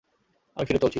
আমি ফিরে চলছি।